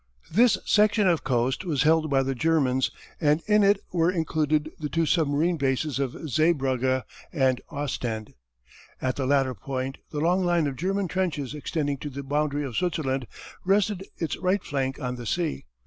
This section of coast was held by the Germans and in it were included the two submarine bases of Zeebrugge and Ostend. At the latter point the long line of German trenches extending to the boundary of Switzerland rested its right flank on the sea.